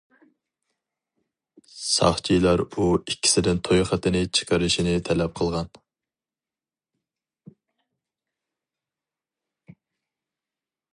ساقچىلار ئۇ ئىككىسىدىن توي خېتىنى چىقىرىشنى تەلەپ قىلغان.